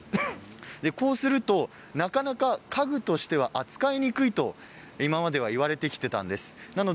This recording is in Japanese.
こうすると、なかなか家具としては扱いにくいと今までは言われてきていたんです。